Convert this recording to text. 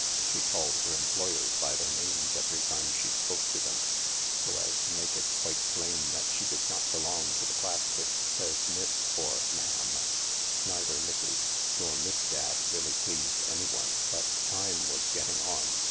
She called her employers by their names every time she spoke to them, so as to make it quite plain that she did not belong to the class which says " Miss " or Ma'am." Neither Mrs. nor Miss Dadd reaUy pleased anyone, but time was getting on.